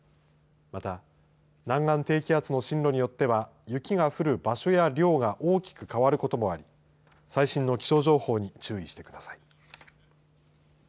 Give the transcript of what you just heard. また南岸低気圧の進路によっては雪が降る場所や量が大きく変わることもあり最新の気象情報に注意してください。